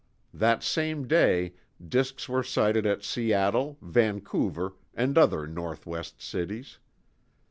That same day, disks were sighted at Seattle, Vancouver, and other northwest cities.